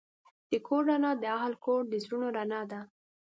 د کور رڼا د اهلِ کور د زړونو رڼا ده.